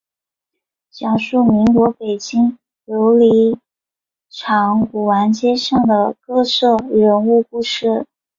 讲述民国北京琉璃厂古玩街上的各色人物故事。